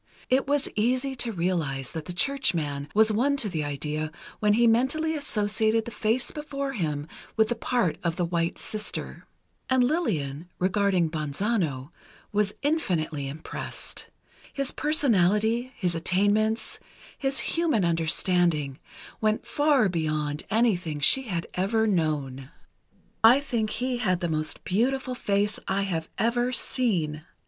It was easy to realize that the churchman was won to the idea when he mentally associated the face before him with the part of the White Sister. And Lillian, regarding Bonzano, was infinitely impressed. His personality, his attainments, his human understanding, went far beyond anything she had ever known. "I think he had the most beautiful face I have ever seen.